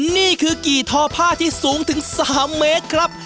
นี่คือกี่ทอผ้าที่สูงถึง๓เมตรครับ